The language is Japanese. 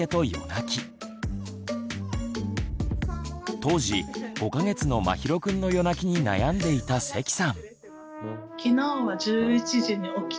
当時５か月のまひろくんの夜泣きに悩んでいた関さん。